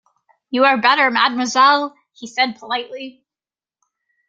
"You are better, mademoiselle," he said politely.